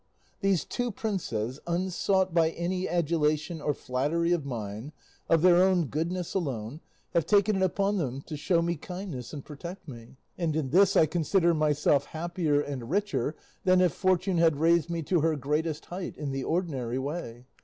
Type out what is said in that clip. These two princes, unsought by any adulation or flattery of mine, of their own goodness alone, have taken it upon them to show me kindness and protect me, and in this I consider myself happier and richer than if Fortune had raised me to her greatest height in the ordinary way.